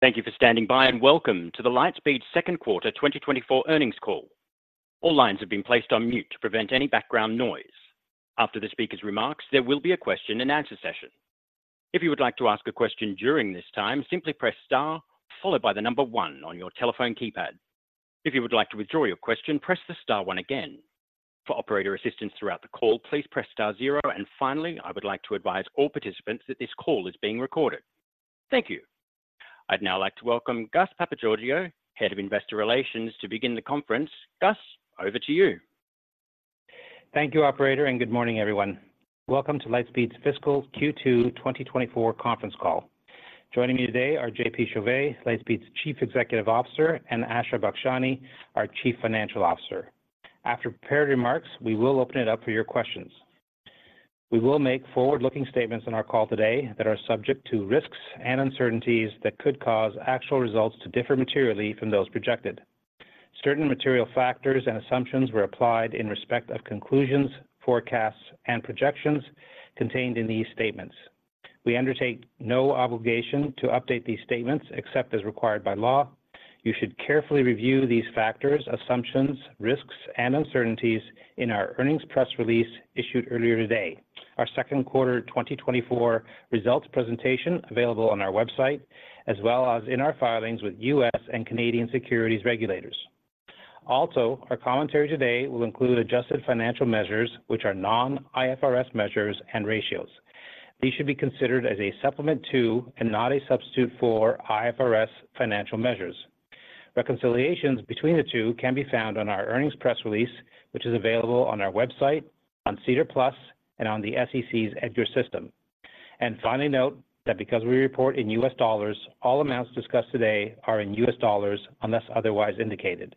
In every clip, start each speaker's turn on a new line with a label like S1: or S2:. S1: Thank you for standing by, and welcome to Lightspeed's Second Quarter 2024 Earnings Call. All lines have been placed on mute to prevent any background noise. After the speaker's remarks, there will be a question-and-answer session. If you would like to ask a question during this time, simply press Star followed by the number 1 on your telephone keypad. If you would like to withdraw your question, press the Star 1 again. For operator assistance throughout the call, please press Star 0. Finally, I would like to advise all participants that this call is being recorded. Thank you. I'd now like to welcome Gus Papageorgiou, Head of Investor Relations, to begin the conference. Gus, over to you.
S2: Thank you, operator, and good morning, everyone. Welcome to Lightspeed's Fiscal Q2 2024 Conference Call. Joining me today are JP Chauvet; Lightspeed's Chief Executive Officer, and Asha Bakshani; our Chief Financial Officer. After prepared remarks, we will open it up for your questions. We will make forward-looking statements on our call today that are subject to risks and uncertainties that could cause actual results to differ materially from those projected. Certain material factors and assumptions were applied in respect of conclusions, forecasts, and projections contained in these statements. We undertake no obligation to update these statements except as required by law. You should carefully review these factors, assumptions, risks, and uncertainties in our earnings press release issued earlier today, our second quarter 2024 results presentation available on our website, as well as in our filings with U.S. and Canadian securities regulators. Also, our commentary today will include adjusted financial measures, which are non-IFRS measures and ratios. These should be considered as a supplement to, and not a substitute for, IFRS financial measures. Reconciliations between the two can be found on our earnings press release, which is available on our website, on SEDAR+, and on the SEC's EDGAR system. And finally, note that because we report in U.S. dollars, all amounts discussed today are in U.S. dollars, unless otherwise indicated.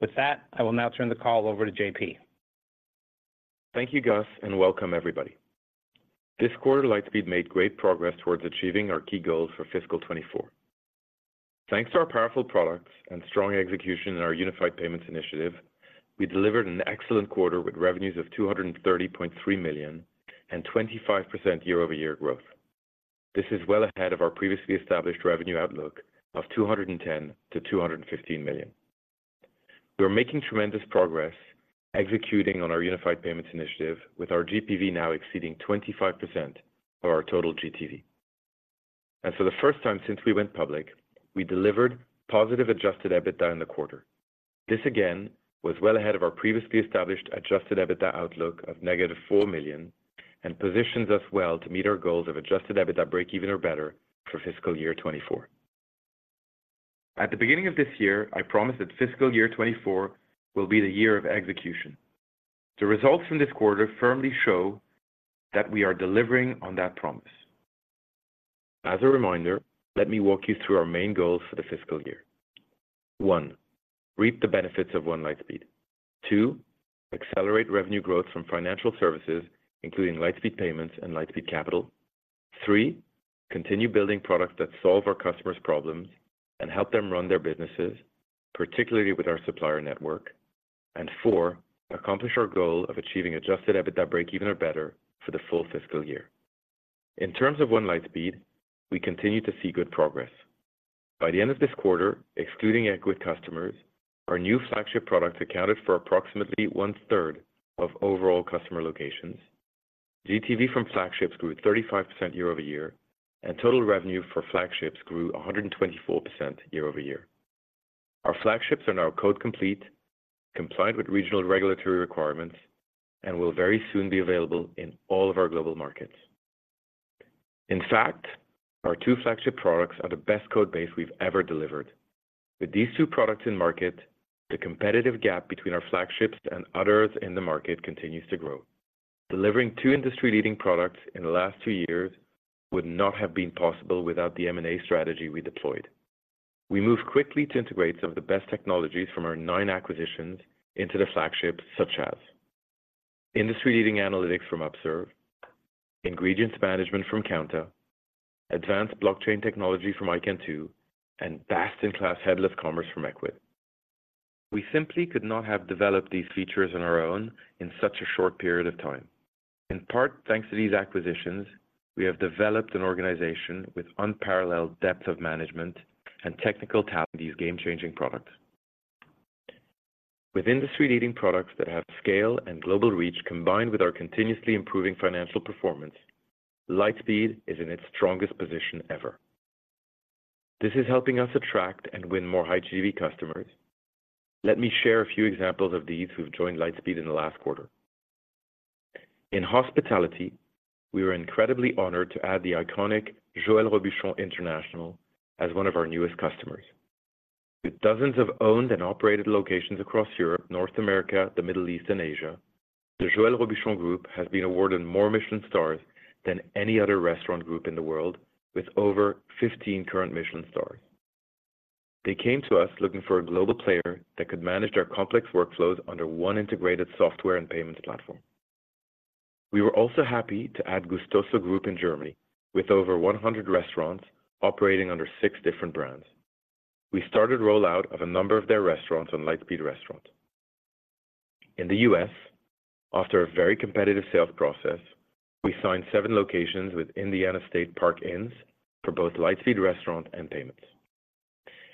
S2: With that, I will now turn the call over to JP.
S3: Thank you, Gus, and welcome everybody. This quarter, Lightspeed made great progress towards achieving our key goals for fiscal 2024. Thanks to our powerful products and strong execution in our Unified Payments initiative, we delivered an excellent quarter with revenues of $230.3 million and 25% year-over-year growth. This is well ahead of our previously established revenue outlook of $210 million-$215 million. We're making tremendous progress executing on our Unified Payments initiative, with our GPV now exceeding 25% of our total GTV. And for the first time since we went public, we delivered positive adjusted EBITDA in the quarter. This, again, was well ahead of our previously established adjusted EBITDA outlook of -$4 million and positions us well to meet our goals of adjusted EBITDA break even or better for fiscal year 2024. At the beginning of this year, I promised that fiscal year 2024 will be the year of execution. The results from this quarter firmly show that we are delivering on that promise. As a reminder, let me walk you through our main goals for the fiscal year. One, reap the benefits of one Lightspeed. Two, accelerate revenue growth from financial services, including Lightspeed Payments and Lightspeed Capital. Three, continue building products that solve our customers' problems and help them run their businesses, particularly with our supplier network. And Four, accomplish our goal of achieving Adjusted EBITDA break even or better for the full fiscal year. In terms of one Lightspeed, we continue to see good progress. By the end of this quarter, excluding Ecwid customers, our new flagship products accounted for approximately one-third of overall customer locations. GTV from flagships grew 35% year-over-year, and total revenue for flagships grew 124% year-over-year. Our flagships are now code complete, compliant with regional regulatory requirements, and will very soon be available in all of our global markets. In fact, our two flagship products are the best code base we've ever delivered. With these two products in market, the competitive gap between our flagships and others in the market continues to grow. Delivering two industry-leading products in the last two years would not have been possible without the M&A strategy we deployed. We moved quickly to integrate some of the best technologies from our nine acquisitions into the flagships, such as industry-leading analytics from Upserve, ingredients management from Counter, advanced blockchain technology from iN2, and best-in-class headless commerce from Ecwid. We simply could not have developed these features on our own in such a short period of time. In part, thanks to these acquisitions, we have developed an organization with unparalleled depth of management and technical talent, and these game-changing products. With industry-leading products that have scale and global reach, combined with our continuously improving financial performance, Lightspeed is in its strongest position ever. This is helping us attract and win more high GTV customers. Let me share a few examples of these who've joined Lightspeed in the last quarter. In hospitality, we were incredibly honored to add the iconic Joël Robuchon International as one of our newest customers. With dozens of owned and operated locations across Europe, North America, the Middle East, and Asia, the Joël Robuchon Group has been awarded more Michelin stars than any other restaurant group in the world, with over 15 current Michelin stars. They came to us looking for a global player that could manage their complex workflows under one integrated software and payments platform. We were also happy to add Gustoso Group in Germany, with over 100 restaurants operating under six different brands. We started the rollout of a number of their restaurants on Lightspeed Restaurant. In the U.S., after a very competitive sales process, we signed seven locations with Indiana State Park Inns for both Lightspeed Restaurant and Payments.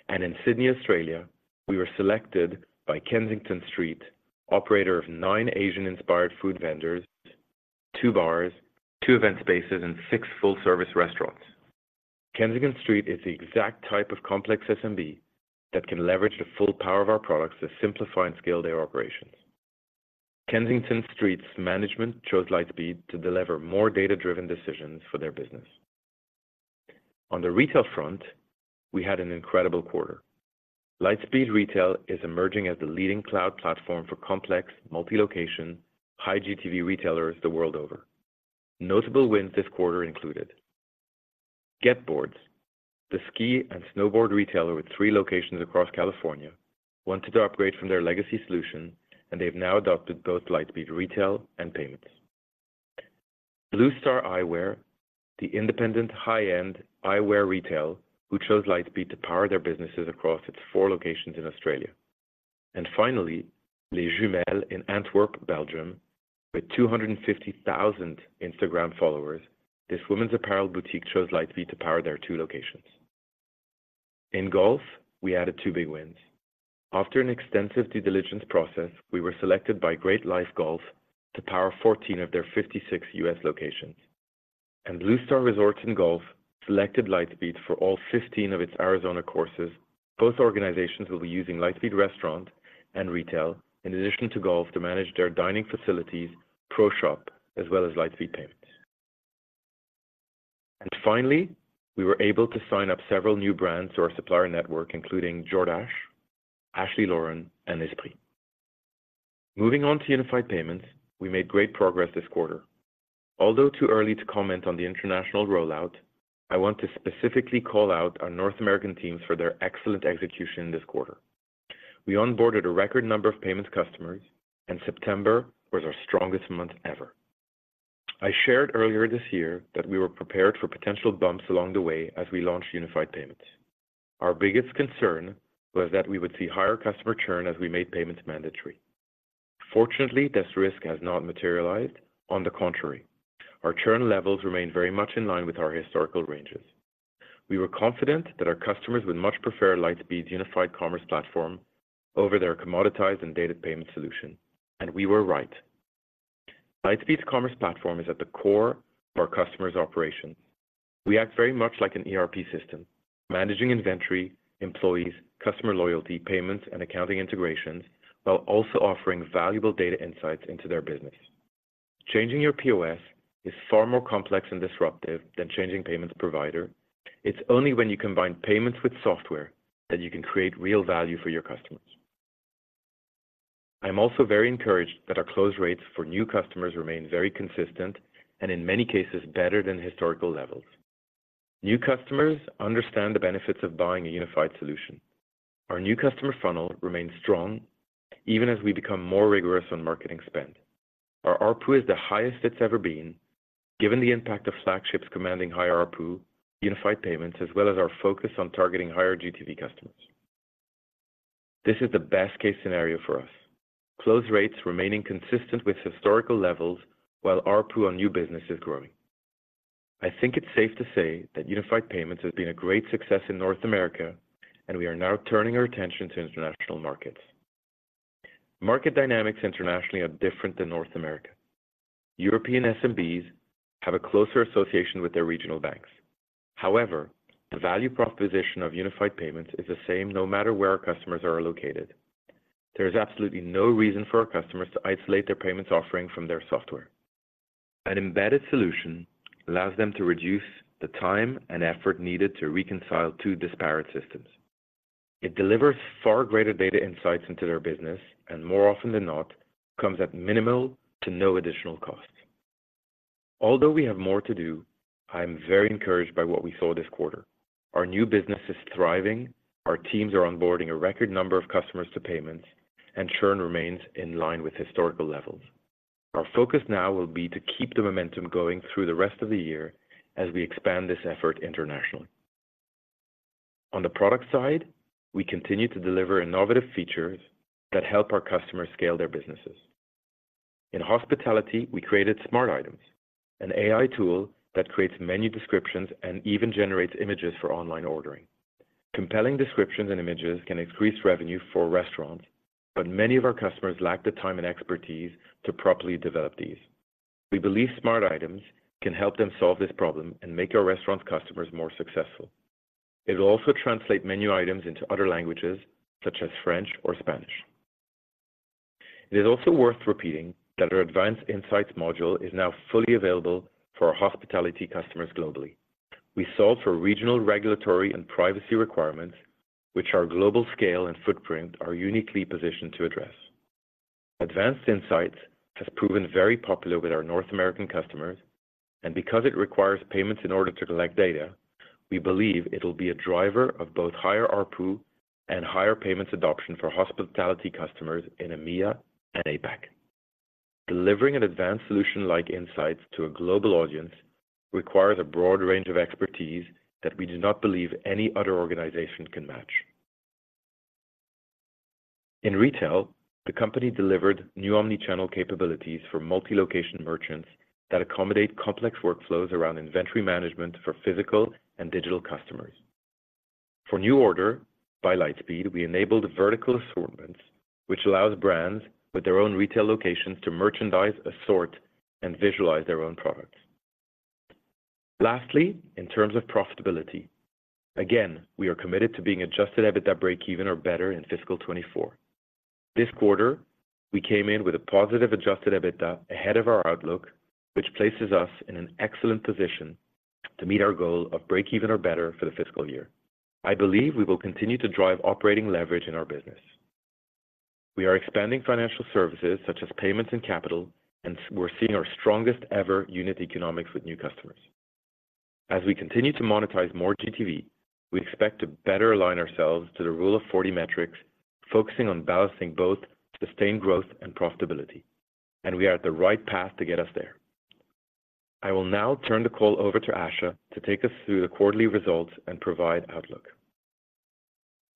S3: And in Sydney, Australia, we were selected by Kensington Street, operator of nine Asian-inspired food vendors, two bars, two event spaces, and six full-service restaurants. Kensington Street is the exact type of complex SMB that can leverage the full power of our products to simplify and scale their operations. Kensington Street's management chose Lightspeed to deliver more data-driven decisions for their business. On the retail front, we had an incredible quarter. Lightspeed Retail is emerging as the leading cloud platform for complex, multi-location, high GTV retailers the world over. Notable wins this quarter included: GetBoards, the ski and snowboard retailer with 3 locations across California, wanted to upgrade from their legacy solution, and they've now adopted both Lightspeed Retail and Payments. Blue Star Eyewear, the independent high-end eyewear retail, who chose Lightspeed to power their businesses across its four locations in Australia. Finally, Les Jumelles in Antwerp, Belgium, with 250,000 Instagram followers, this women's apparel boutique chose Lightspeed to power their two locations. In golf, we added two big wins. After an extensive due diligence process, we were selected by GreatLIFE Golf to power 14 of their 56 U.S. locations, and BlueStar Resort & Golf selected Lightspeed for all 15 of its Arizona courses. Both organizations will be using Lightspeed Restaurant and Retail, in addition to golf, to manage their dining facilities, pro shop, as well as Lightspeed Payments. Finally, we were able to sign up several new brands to our supplier network, including DoorDash, Ashley Lauren, and Esprit. Moving on to Unified Payments, we made great progress this quarter. Although too early to comment on the international rollout, I want to specifically call out our North American teams for their excellent execution this quarter. We onboarded a record number of payments customers, and September was our strongest month ever. I shared earlier this year that we were prepared for potential bumps along the way as we launched Unified Payments. Our biggest concern was that we would see higher customer churn as we made payments mandatory. Fortunately, this risk has not materialized. On the contrary, our churn levels remain very much in line with our historical ranges. We were confident that our customers would much prefer Lightspeed's unified commerce platform over their commoditized and dated payment solution, and we were right. Lightspeed's commerce platform is at the core of our customers' operations. We act very much like an ERP system, managing inventory, employees, customer loyalty, payments, and accounting integrations, while also offering valuable data insights into their business. Changing your POS is far more complex and disruptive than changing payments provider. It's only when you combine payments with software that you can create real value for your customers. I'm also very encouraged that our close rates for new customers remain very consistent and in many cases, better than historical levels. New customers understand the benefits of buying a unified solution. Our new customer funnel remains strong, even as we become more rigorous on marketing spend. Our ARPU is the highest it's ever been, given the impact of flagships commanding higher ARPU, Unified Payments, as well as our focus on targeting higher GTV customers. This is the best-case scenario for us. Close rates remaining consistent with historical levels while ARPU on new business is growing. I think it's safe to say that Unified Payments has been a great success in North America, and we are now turning our attention to international markets. Market dynamics internationally are different than North America. European SMBs have a closer association with their regional banks. However, the value proposition of Unified Payments is the same no matter where our customers are located. There is absolutely no reason for our customers to isolate their payment offering from their software. An embedded solution allows them to reduce the time and effort needed to reconcile two disparate systems. It delivers far greater data insights into their business, and more often than not, comes at minimal to no additional cost. Although we have more to do, I am very encouraged by what we saw this quarter. Our new business is thriving, our teams are onboarding a record number of customers to payments, and churn remains in line with historical levels. Our focus now will be to keep the momentum going through the rest of the year as we expand this effort internationally. On the product side, we continue to deliver innovative features that help our customers scale their businesses. In hospitality, we created Smart Items, an AI tool that creates menu descriptions and even generates images for online ordering. Compelling descriptions and images can increase revenue for restaurants, but many of our customers lack the time and expertise to properly develop these. We believe Smart Items can help them solve this problem and make our restaurant customers more successful. It will also translate menu items into other languages, such as French or Spanish. It is also worth repeating that our Advanced Insights module is now fully available for our hospitality customers globally. We solve for regional, regulatory, and privacy requirements, which our global scale and footprint are uniquely positioned to address. Advanced Insights has proven very popular with our North American customers, and because it requires payments in order to collect data, we believe it'll be a driver of both higher ARPU and higher payments adoption for hospitality customers in EMEA and APAC. Delivering an advanced solution like Insights to a global audience requires a broad range of expertise that we do not believe any other organization can match. In retail, the company delivered new omnichannel capabilities for multi-location merchants that accommodate complex workflows around inventory management for physical and digital customers. For NuORDER by Lightspeed, we enabled vertical assortments, which allow brands with their own retail locations to merchandise, assort, and visualize their own products. Lastly, in terms of profitability, again, we are committed to being Adjusted EBITDA breakeven or better in fiscal 2024. This quarter, we came in with a positive Adjusted EBITDA ahead of our outlook, which places us in an excellent position to meet our goal of breakeven or better for the fiscal year. I believe we will continue to drive operating leverage in our business. We are expanding financial services such as payments and capital, and we're seeing our strongest ever unit economics with new customers. As we continue to monetize more GTV, we expect to better align ourselves to the Rule of 40 metrics, focusing on balancing both sustained growth and profitability, and we are at the right path to get us there. I will now turn the call over to Asha to take us through the quarterly results and provide outlook.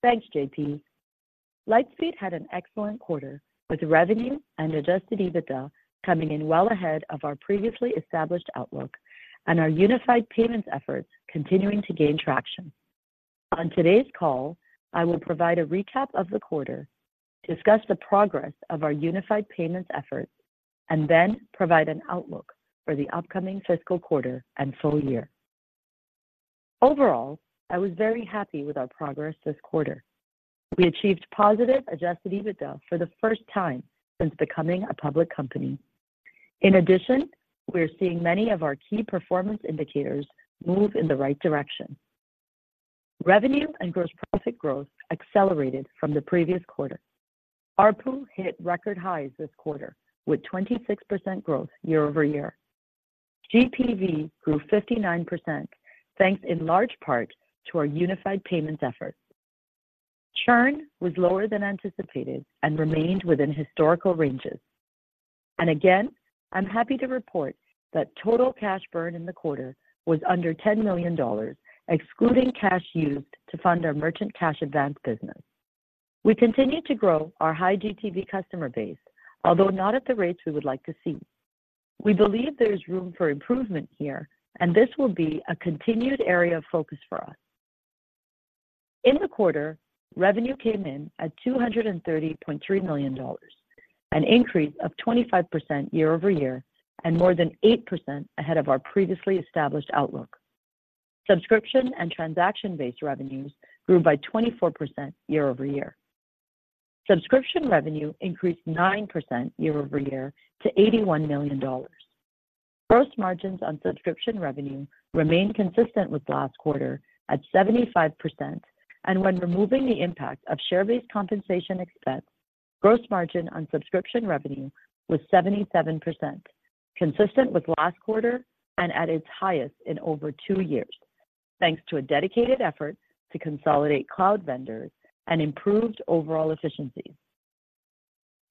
S4: Thanks, JP. Lightspeed had an excellent quarter, with revenue and adjusted EBITDA coming in well ahead of our previously established outlook and our unified payments efforts continuing to gain traction. On today's call, I will provide a recap of the quarter, discuss the progress of our unified payments efforts, and then provide an outlook for the upcoming fiscal quarter and full year. Overall, I was very happy with our progress this quarter. We achieved positive adjusted EBITDA for the first time since becoming a public company. In addition, we are seeing many of our key performance indicators move in the right direction. Revenue and gross profit growth accelerated from the previous quarter. ARPU hit record highs this quarter with 26% growth year-over-year. GPV grew 59%, thanks in large part to our unified payments efforts. Churn was lower than anticipated and remained within historical ranges. Again, I'm happy to report that total cash burn in the quarter was under $10 million, excluding cash used to fund our merchant cash advance business. We continue to grow our high-GTV customer base, although not at the rates we would like to see. We believe there is room for improvement here, and this will be a continued area of focus for us. In the quarter, revenue came in at $230.3 million, an increase of 25% year-over-year and more than 8% ahead of our previously established outlook. Subscription and transaction-based revenues grew by 24% year-over-year. Subscription revenue increased 9% year-over-year to $81 million. Gross margins on subscription revenue remained consistent with last quarter at 75%, and when removing the impact of share-based compensation expense, gross margin on subscription revenue was 77%, consistent with last quarter and at its highest in over two years, thanks to a dedicated effort to consolidate cloud vendors and improved overall efficiencies.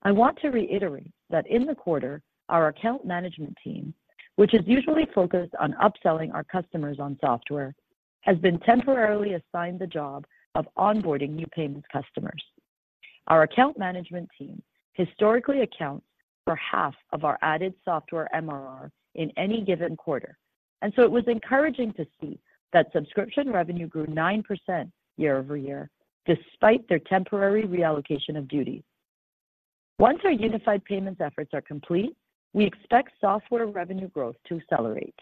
S4: I want to reiterate that in the quarter, our account management team, which is usually focused on upselling our customers on software, has been temporarily assigned the job of onboarding new payments customers. Our account management team historically accounts for half of our added software MRR in any given quarter, and so it was encouraging to see that subscription revenue grew 9% year-over-year, despite their temporary reallocation of duties. Once our Unified Payments efforts are complete, we expect software revenue growth to accelerate.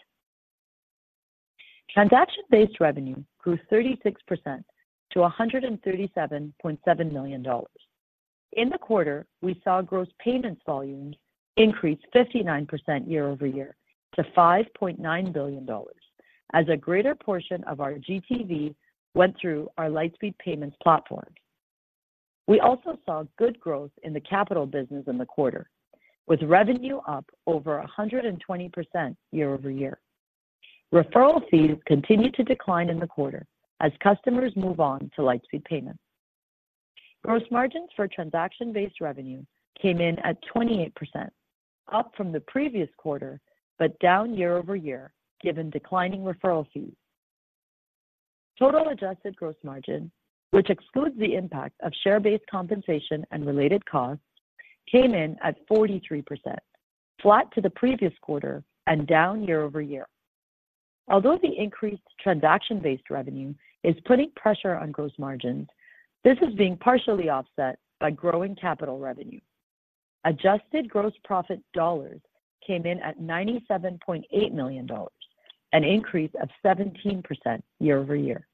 S4: Transaction-based revenue grew 36% to $137.7 million. In the quarter, we saw gross payment volume increase 59% year-over-year to $5.9 billion as a greater portion of our GTV went through our Lightspeed Payments platform. We also saw good growth in the capital business in the quarter, with revenue up over 120% year-over-year. Referral fees continued to decline in the quarter as customers moved on to Lightspeed Payments. Gross margins for transaction-based revenue came in at 28%, up from the previous quarter, but down year-over-year, given declining referral fees. Total adjusted gross margin, which excludes the impact of share-based compensation and related costs, came in at 43%, flat to the previous quarter and down year-over-year. Although the increased transaction-based revenue is putting pressure on gross margins, this is being partially offset by growing Capital Revenue. Adjusted gross profit dollars came in at $97.8 million, an increase of 17% year-over-year.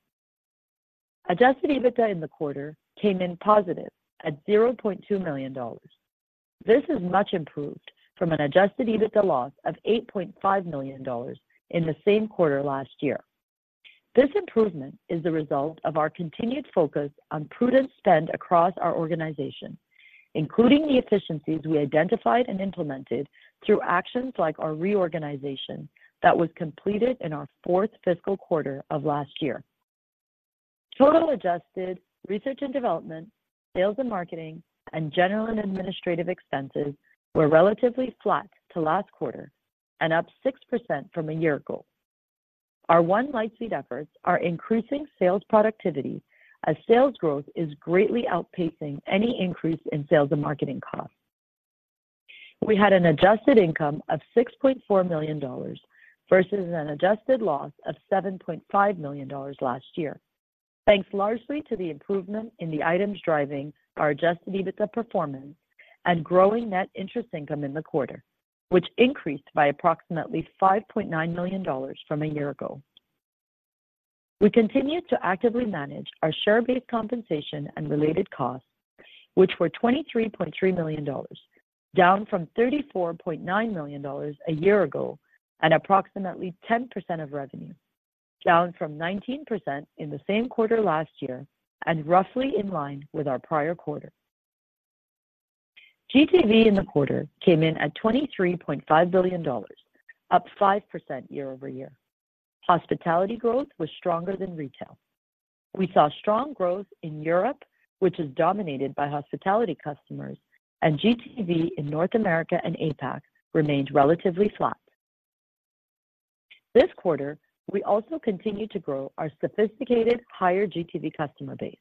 S4: Adjusted EBITDA in the quarter came in positive at $0.2 million. This is much improved from an adjusted EBITDA loss of $8.5 million in the same quarter last year. This improvement is the result of our continued focus on prudent spend across our organization, including the efficiencies we identified and implemented through actions like our reorganization that was completed in our fourth fiscal quarter of last year.... Total adjusted research and development, sales and marketing, and general and administrative expenses were relatively flat to last quarter and up 6% from a year ago. Our ongoing Lightspeed efforts are increasing sales productivity as sales growth is greatly outpacing any increase in sales and marketing costs. We had an adjusted income of $6.4 million versus an adjusted loss of $7.5 million last year, thanks largely to the improvement in the items driving our adjusted EBITDA performance and growing net interest income in the quarter, which increased by approximately $5.9 million from a year ago. We continued to actively manage our share-based compensation and related costs, which were $23.3 million, down from $34.9 million a year ago, and approximately 10% of revenue, down from 19% in the same quarter last year and roughly in line with our prior quarter. GTV in the quarter came in at $23.5 billion, up 5% year-over-year. Hospitality growth was stronger than retail. We saw strong growth in Europe, which is dominated by hospitality customers, and GTV in North America and APAC remained relatively flat. This quarter, we also continued to grow our sophisticated higher GTV customer base.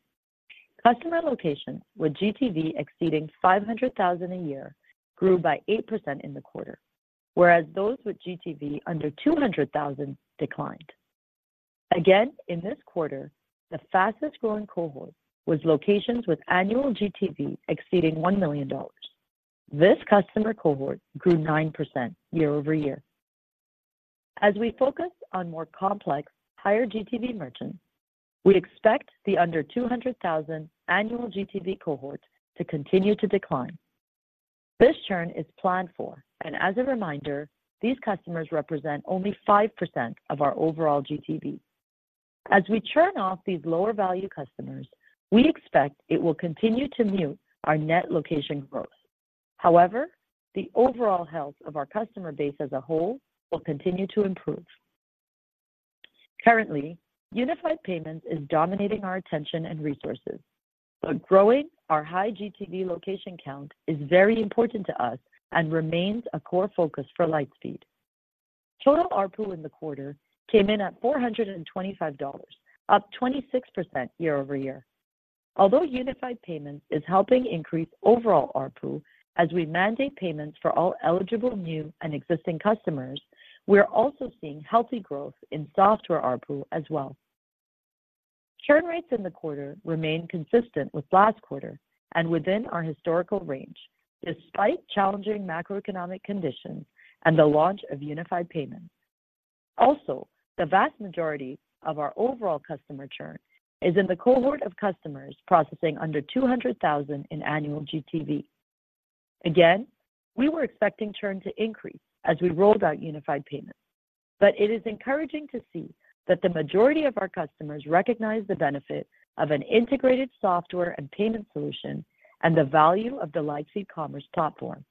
S4: Customer locations with GTV exceeuseding $500,000 a year grew by 8% in the quarter, whereas those with GTV under $200,000 declined. Again, in this quarter, the fastest-growing cohort was locations with annual GTV exceeding $1 million. This customer cohort grew 9% year-over-year. As we focus on more complex, higher GTV merchants, we expect the under $200,000 annual GTV cohort to continue to decline. This churn is planned for, and as a reminder, these customers represent only 5% of our overall GTV. As we churn off these lower-value customers, we expect it will continue to mute our net location growth. However, the overall health of our customer base as a whole will continue to improve. Currently, Unified Payments is dominating our attention and resources, but growing our high GTV location count is very important to us and remains a core focus for Lightspeed. Total ARPU in the quarter came in at $425, up 26% year-over-year. Although Unified Payments is helping increase overall ARPU as we mandate payments for all eligible, new, and existing customers, we are also seeing healthy growth in software ARPU as well. Churn rates in the quarter remained consistent with last quarter and within our historical range, despite challenging macroeconomic conditions and the launch of Unified Payments. Also, the vast majority of our overall customer churn is in the cohort of customers processing under $200,000 in annual GTV. Again, we were expecting churn to increase as we rolled out Unified Payments, but it is encouraging to see that the majority of our customers recognize the benefit of an integrated software and payment solution and the value of the Lightspeed Commerce platform.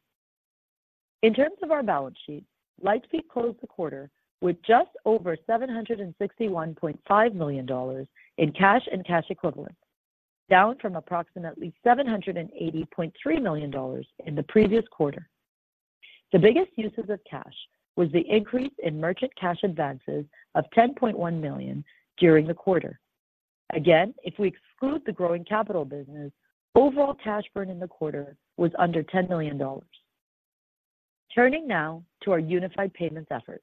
S4: In terms of our balance sheet, Lightspeed closed the quarter with just over $761.5 million in cash and cash equivalents, down from approximately $780.3 million in the previous quarter. The biggest use of cash was the increase in merchant cash advances of $10.1 million during the quarter. Again, if we exclude the growing capital business, overall cash burn in the quarter was under $10 million. Turning now to our Unified Payments effort.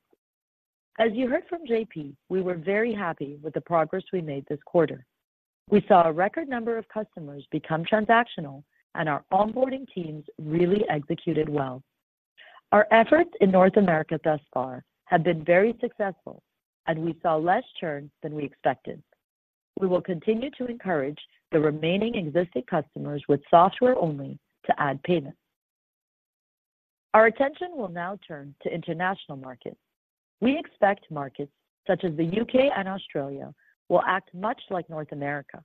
S4: As you heard from JP, we were very happy with the progress we made this quarter. We saw a record number of customers become transactional, and our onboarding teams really executed well. Our efforts in North America thus far have been very successful, and we saw less churn than we expected. We will continue to encourage the remaining existing customers with software only to add payments. Our attention will now turn to international markets. We expect markets such as the UK and Australia will act much like North America.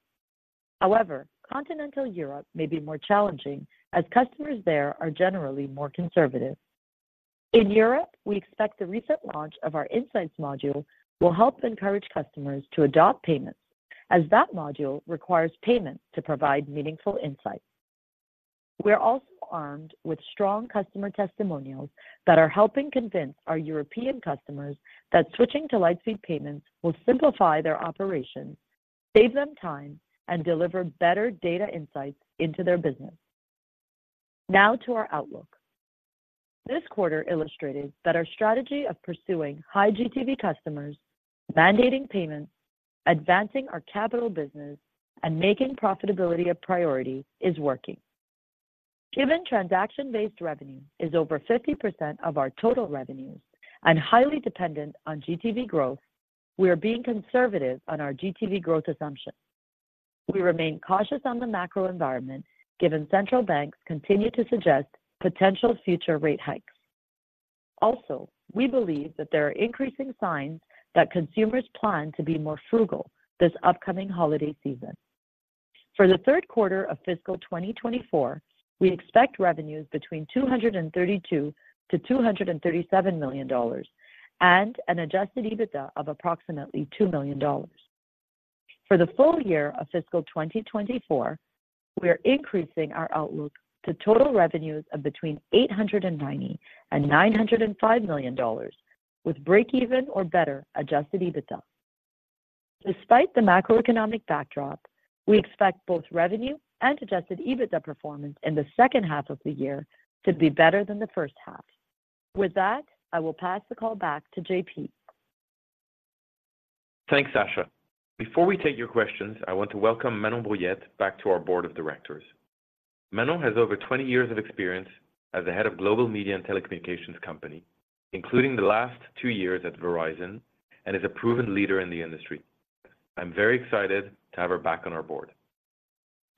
S4: However, continental Europe may be more challenging as customers there are generally more conservative. In Europe, we expect the recent launch of our Insights module will help encourage customers to adopt payments, as that module requires payment to provide meaningful insights. We are also armed with strong customer testimonials that are helping convince our European customers that switching to Lightspeed Payments will simplify their operations, save them time, and deliver better data insights into their business. Now to our outlook. This quarter illustrated that our strategy of pursuing high GTV customers, mandating payments, advancing our capital business, and making profitability a priority is working. Given transaction-based revenue is over 50% of our total revenues and highly dependent on GTV growth, we are being conservative on our GTV growth assumptions. We remain cautious on the macro environment, given central banks continue to suggest potential future rate hikes. Also, we believe that there are increasing signs that consumers plan to be more frugal this upcoming holiday season. For the third quarter of fiscal 2024, we expect revenues between $232 million-$237 million, and an Adjusted EBITDA of approximately $2 million. For the full year of fiscal 2024, we are increasing our outlook to total revenues of between $890 million-$905 million, with breakeven or better Adjusted EBITDA. Despite the macroeconomic backdrop, we expect both revenue and Adjusted EBITDA performance in the second half of the year to be better than the first half. With that, I will pass the call back to JP.
S3: Thanks, Asha. Before we take your questions, I want to welcome Manon Brouillette back to our board of directors. Manon has over 20 years of experience as the head of Global Media and Telecommunications company, including the last two years at Verizon, and is a proven leader in the industry. I'm very excited to have her back on our board.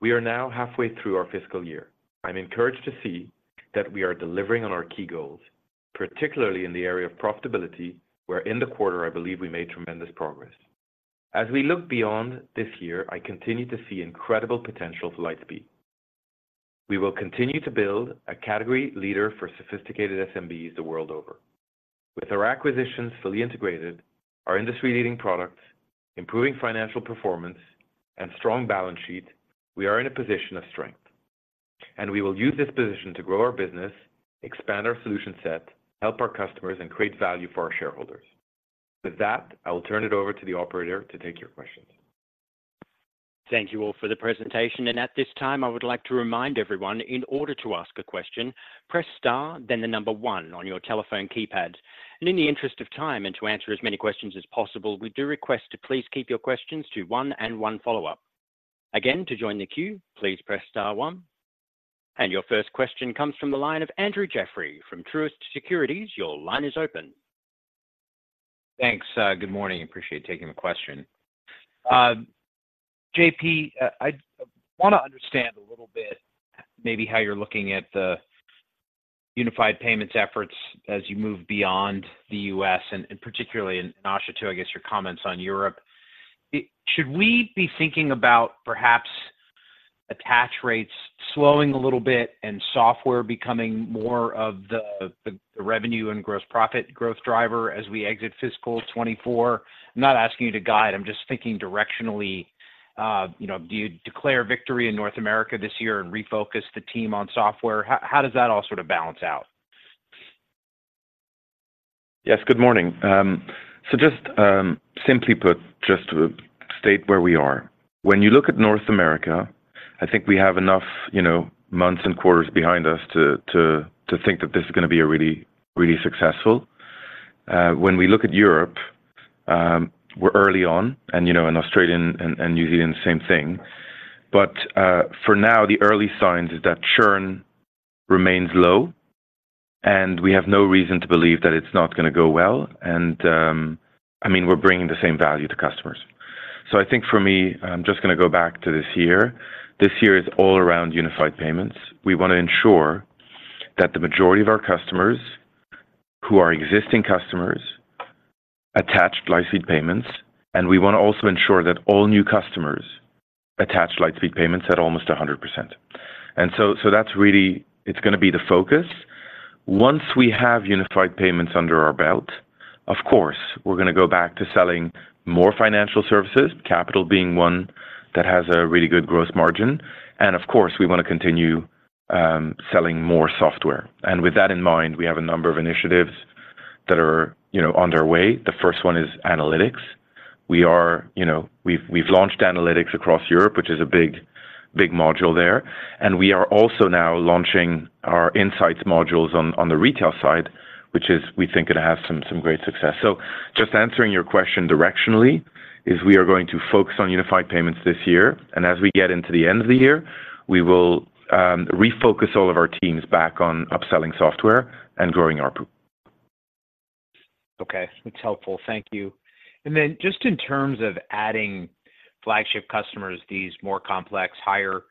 S3: We are now halfway through our fiscal year. I'm encouraged to see that we are delivering on our key goals, particularly in the area of profitability, where in the quarter, I believe we made tremendous progress. As we look beyond this year, I continue to see incredible potential for Lightspeed. We will continue to build a category leader for sophisticated SMBs the world over. With our acquisitions fully integrated, our industry-leading products, improving financial performance, and strong balance sheet, we are in a position of strength, and we will use this position to grow our business, expand our solution set, help our customers, and create value for our shareholders. With that, I will turn it over to the operator to take your questions.
S1: Thank you all for the presentation, and at this time, I would like to remind everyone that in order to ask a question, press Star, then 1 on your telephone keypad. In the interest of time, and to answer as many questions as possible, we do request to please keep your questions to one and one follow-up. Again, to join the queue, please press Star 1. Your first question comes from the line of Andrew Jeffrey from Truist Securities. Your line is open.
S5: Thanks, good morning. Appreciate you taking the question. JP, I wanna understand a little bit maybe, how you're looking at the Unified Payments efforts as you move beyond the U.S., and particularly, and Asha, too, I guess, your comments on Europe. Should we be thinking about perhaps attach rates slowing a little bit and software becoming more of the revenue and gross profit growth driver as we exit fiscal 2024? I'm not asking you to guide, I'm just thinking directionally, you know, do you declare victory in North America this year and refocus the team on software? How does that all sort of balance out?
S3: Yes, good morning. So just, simply put, just to state where we are. When you look at North America, I think we have enough, you know, months and quarters behind us to think that this is gonna be a really, really successful. When we look at Europe, we're early on, and, you know, in Australia and New Zealand, the same thing. But for now, the early signs is that churn remains low, and we have no reason to believe that it's not gonna go well, and I mean, we're bringing the same value to customers. So I think for me, I'm just gonna go back to this year. This year is all around Unified Payments. We wanna ensure that the majority of our customers, who are existing customers, attach Lightspeed Payments, and we wanna also ensure that all new customers attach Lightspeed Payments at almost 100%. And so that's really, it's gonna be the focus. Once we have Unified Payments under our belt, of course, we're gonna go back to selling more financial services, Capital being one that has a really good growth margin. And of course, we wanna continue selling more software. And with that in mind, we have a number of initiatives that are, you know, on their way. The first one is analytics. We are, you know, we've launched analytics across Europe, which is a big, big module there, and we are also now launching our insights modules on the retail side, which is, we think, gonna have some great success. Just answering your question directionally, we are going to focus on Unified Payments this year, and as we get into the end of the year, we will refocus all of our teams back on upselling software and growing our pool.
S5: Okay, that's helpful. Thank you. And then just in terms of adding flagship customers, these more complex, higher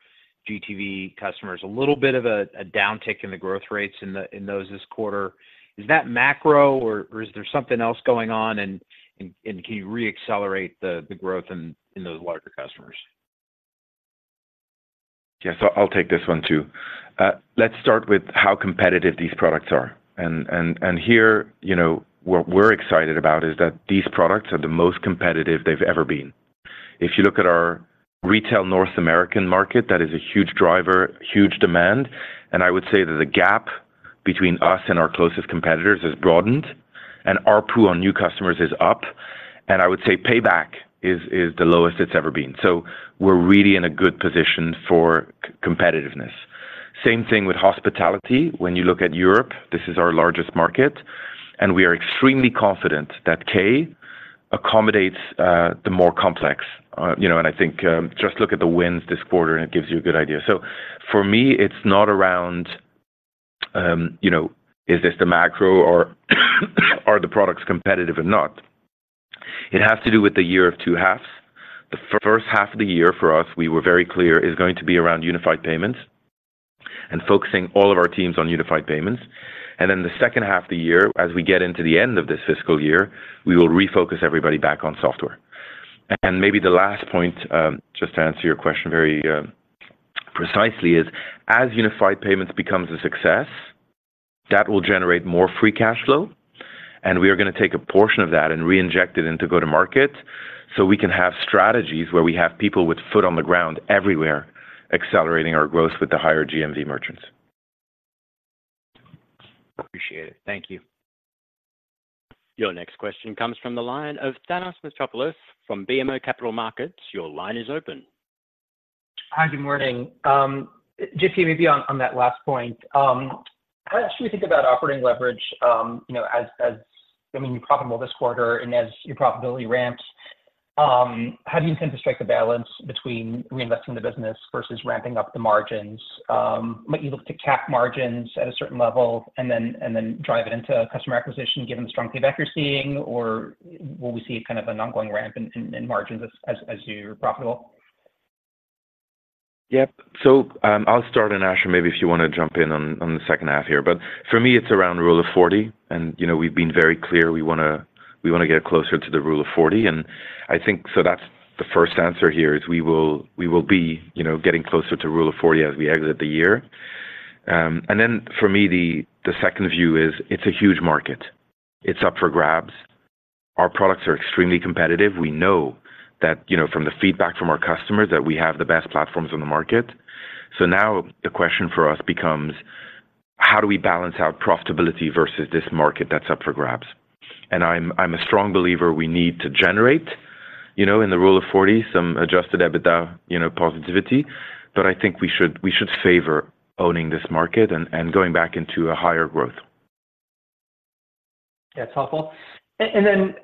S5: GTV customers, a little bit of a downtick in the growth rates in those, this quarter. Is that macro or is there something else going on, and can you re-accelerate the growth in those larger customers?
S3: Yes, I'll take this one, too. Let's start with how competitive these products are. Here, you know, what we're excited about is that these products are the most competitive they've ever been. If you look at our retail North American market, that is a huge driver, huge demand, and I would say that the gap between us and our closest competitors has broadened, and ARPU on new customers is up, and I would say payback is the lowest it's ever been. So we're really in a good position for competitiveness. Same thing with hospitality. When you look at Europe, this is our largest market, and we are extremely confident that Kounta accommodates the more complex, you know, and I think just look at the wins this quarter, and it gives you a good idea. So for me, it's not around, you know, is this the macro or are the products competitive or not? It has to do with the year of two halves. The first half of the year for us, we were very clear, is going to be around Unified Payments, and focusing all of our teams on Unified Payments. And then the second half of the year, as we get into the end of this fiscal year, we will refocus everybody back on software. And maybe the last point, just to answer your question very precisely, is as Unified Payments becomes a success, that will generate more free cash flow, and we are gonna take a portion of that and reinject it into go-to-market, so we can have strategies where we have people with foot on the ground everywhere, accelerating our growth with the higher GMV merchants.
S5: Appreciate it. Thank you.
S1: Your next question comes from the line of Thanos Moschopoulos from BMO Capital Markets. Your line is open.
S6: Hi, good morning. Just maybe on that last point, how do you actually think about operating leverage, you know, as I mean, you're profitable this quarter, and as your profitability ramps, how do you intend to strike the balance between reinvesting the business versus ramping up the margins? Might you look to cap margins at a certain level and then drive it into customer acquisition, given the strong feedback you're seeing, or will we see kind of an ongoing ramp in margins as you're profitable?
S3: Yep. So, I'll start, and Asha, maybe if you wanna jump in on the second half here. But for me, it's around Rule of 40, and, you know, we've been very clear we wanna get closer to the Rule of 40, and I think so that's the first answer here, is we will be, you know, getting closer to Rule of 40 as we exit the year. And then for me, the second view is it's a huge market. It's up for grabs. Our products are extremely competitive. We know that, you know, from the feedback from our customers, that we have the best platforms on the market. So now the question for us becomes: how do we balance our profitability versus this market that's up for grabs? I'm a strong believer we need to generate, you know, in the Rule of 40, some Adjusted EBITDA, you know, positivity, but I think we should favor owning this market and going back into a higher growth.
S6: That's helpful. And then,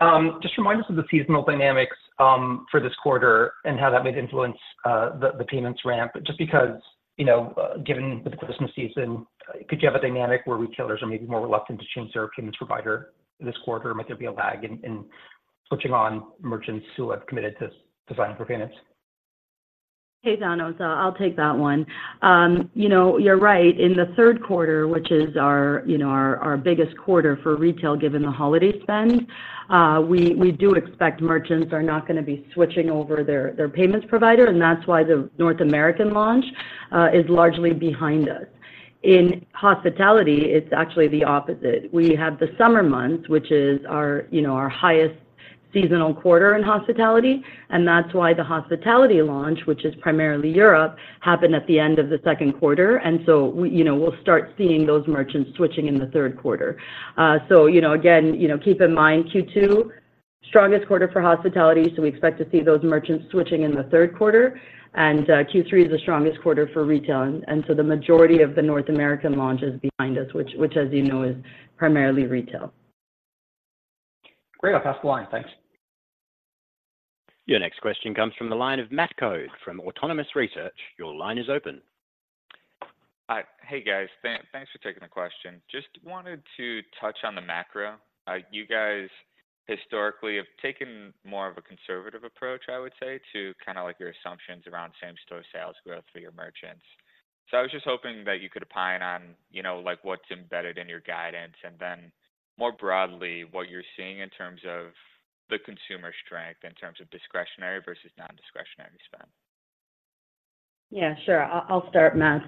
S6: just remind us of the seasonal dynamics for this quarter and how that may influence the payments ramp, just because, you know, given the Christmas season, could you have a dynamic where retailers are maybe more reluctant to change their payments provider this quarter? Might there be a lag in switching on merchants who have committed to signing for payments?
S4: Hey, Thanos, I'll take that one. You know, you're right. In the third quarter, which is our, you know, our, our biggest quarter for retail, given the holiday spend, we, we do expect merchants are not gonna be switching over their, their payments provider, and that's why the North American launch is largely behind us. In hospitality, it's actually the opposite. We have the summer months, which is our, you know, our highest seasonal quarter in hospitality, and that's why the hospitality launch, which is primarily Europe, happened at the end of the second quarter. And so we, you know, we'll start seeing those merchants switching in the third quarter. So, you know, again, you know, keep in mind, Q2, strongest quarter for hospitality, so we expect to see those merchants switching in the third quarter. Q3 is the strongest quarter for retail, and so the majority of the North American launch is behind us, which, as you know, is primarily retail.
S6: Great. I'll pass the line. Thanks.
S1: Your next question comes from the line of Matthew Coad from Autonomous Research. Your line is open.
S7: Hi. Hey, guys. Thanks for taking the question. Just wanted to touch on the macro. You guys historically have taken more of a conservative approach, I would say, to kinda like your assumptions around same-store sales growth for your merchants. So I was just hoping that you could opine on, you know, like, what's embedded in your guidance, and then more broadly, what you're seeing in terms of the consumer strength, in terms of discretionary versus non-discretionary spend.
S4: Yeah, sure. I'll start, Matt.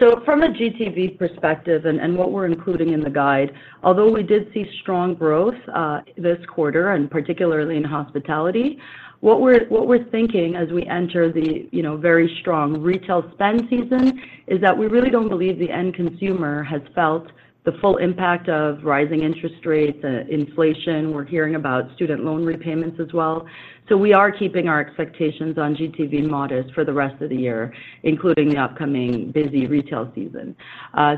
S4: So from a GTV perspective and what we're including in the guide, although we did see strong growth this quarter, and particularly in hospitality, what we're thinking as we enter the, you know, very strong retail spend season is that we really don't believe the end consumer has felt the full impact of rising interest rates and inflation. We're hearing about student loan repayments as well. So we are keeping our expectations on GTV modest for the rest of the year, including the upcoming busy retail season.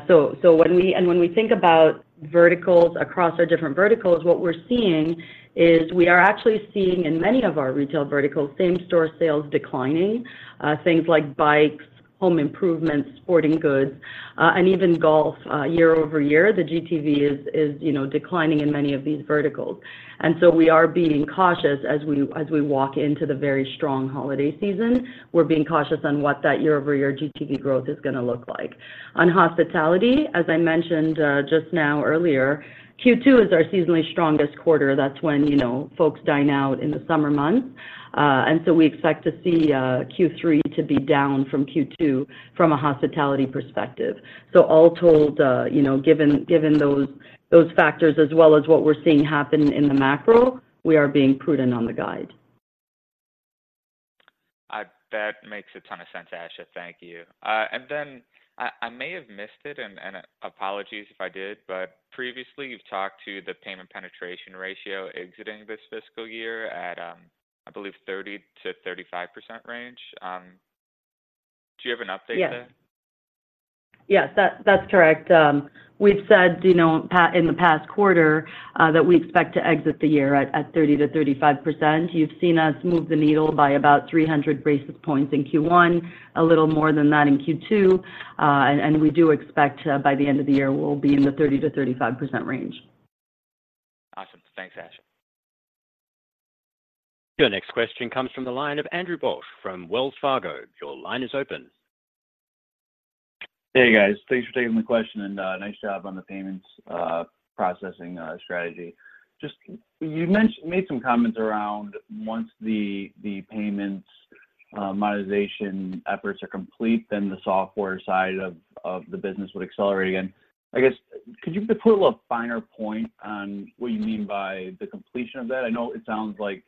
S4: So when we think about verticals across our different verticals, what we're seeing is we are actually seeing, in many of our retail verticals, same-store sales declining, things like bikes, home improvements, sporting goods, and even golf. Year-over-year, the GTV is, you know, declining in many of these verticals. And so we are being cautious as we walk into the very strong holiday season. We're being cautious on what that year-over-year GTV growth is gonna look like. On hospitality, as I mentioned, just now earlier, Q2 is our seasonally strongest quarter. That's when, you know, folks dine out in the summer months. And so we expect to see Q3 to be down from Q2 from a hospitality perspective. So all told, you know, given those factors as well as what we're seeing happen in the macro, we are being prudent on the guide.
S7: That makes a ton of sense, Asha. Thank you. And then I may have missed it, and apologies if I did, but previously, you've talked to the payment penetration ratio exiting this fiscal year at, I believe 30%-35% range. Do you have an update to that?
S4: Yes. Yes, that, that's correct. We've said, you know, in the past quarter, that we expect to exit the year at, at 30%-35%. You've seen us move the needle by about 300 basis points in Q1, a little more than that in Q2, and we do expect, by the end of the year, we'll be in the 30%-35% range.
S7: Awesome. Thanks, Asha.
S1: Your next question comes from the line of Andrew Bauch from Wells Fargo. Your line is open.
S8: Hey, guys. Thanks for taking the question, and nice job on the payments processing strategy. Just made some comments around once the payments monetization efforts are complete, then the software side of the business would accelerate. I guess, could you put a little finer point on what you mean by the completion of that? I know it sounds like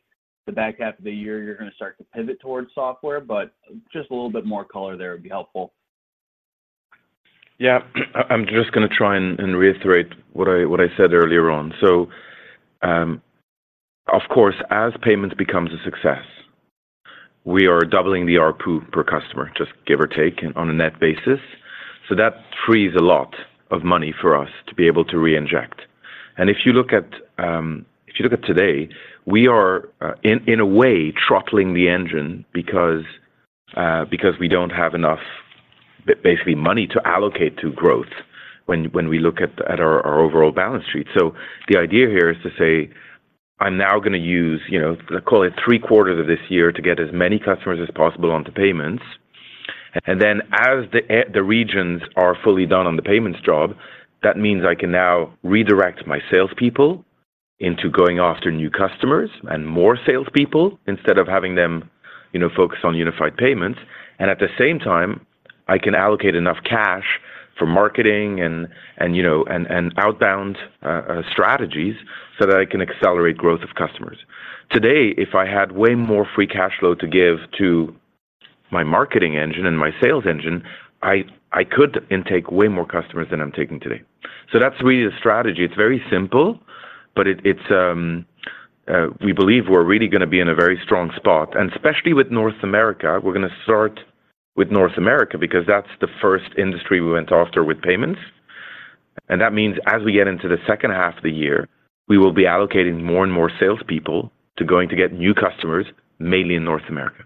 S8: the back half of the year, you're going to start to pivot towards software, but just a little bit more color there would be helpful.
S3: Yeah, I'm just going to try and reiterate what I said earlier on. So, of course, as payments becomes a success, we are doubling the ARPU per customer, just give or take, on a net basis. So that frees a lot of money for us to be able to reinject. And if you look at today, we are, in a way, throttling the engine because we don't have enough basically money to allocate to growth when we look at our overall balance sheet. So the idea here is to say, I'm now going to use, you know, let's call it three quarters of this year to get as many customers as possible onto payments. And then, as the regions are fully done on the payments job, that means I can now redirect my salespeople into going after new customers and more salespeople instead of having them, you know, focus on Unified Payments. And at the same time, I can allocate enough cash for marketing and, you know, outbound strategies so that I can accelerate growth of customers. Today, if I had way more free cash flow to give to my marketing engine and my sales engine, I could intake way more customers than I'm taking today. So that's really the strategy. It's very simple, but we believe we're really going to be in a very strong spot, and especially with North America. We're going to start with North America because that's the first industry we went after with payments, and that means as we get into the second half of the year, we will be allocating more and more salespeople to going to get new customers, mainly in North America.